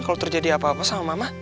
kalau terjadi apa apa sama mama